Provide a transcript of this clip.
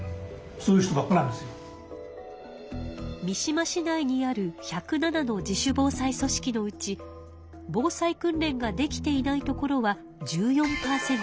三島市内にある１０７の自主防災組織のうち防災訓練ができていない所は１４％。